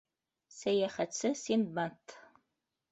СӘЙӘХӘТСЕ СИНДБАД